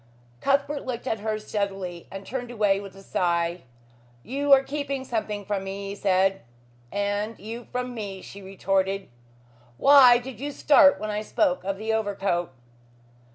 Cuthbert looked at her steadily and turned away with a sigh. "You are keeping something from me," he said. "And you from me," she retorted. "Why did you start when I spoke of the overcoat?"